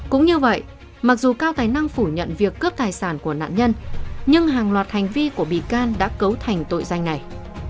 cũng như vậy mặc dù cao tài năng phủ nhận việc cướp tài sản của nạn nhân nhưng hàng loạt hành vi của bị can đã cấu thành tội danh này